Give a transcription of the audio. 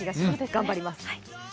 頑張ります。